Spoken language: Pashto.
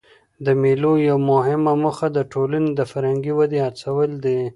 د مېلو یوه مهمه موخه د ټولني د فرهنګي ودي هڅول دي.